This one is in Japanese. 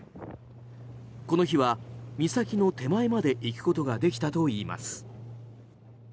この日は岬の手前まで行くことができたといいます。